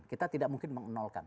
kita tidak mungkin menolkan